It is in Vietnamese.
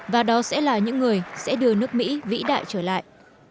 và đó sẽ là những người sẽ đưa nước mỹ vĩ đại trở lại